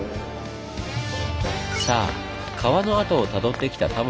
さあ川の跡をたどってきたタモリさん